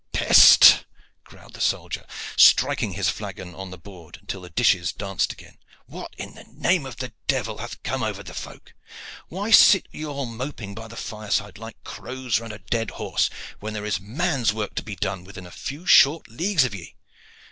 "Peste!" growled the soldier, striking his flagon on the board until the dishes danced again. "What, in the name of the devil, hath come over the folk? Why sit ye all moping by the fireside, like crows round a dead horse, when there is man's work to be done within a few short leagues of ye?